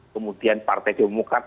kemudian partai demokrat